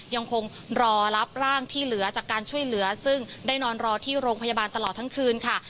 ยังคงรอรับร่างที่เหลือจากการช่วยเหลือซึ่งได้นอนรอที่โรงพยาบาลตลอดทั้งคืนค่ะ